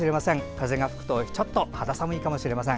風が吹くとちょっと肌寒いかもしれません。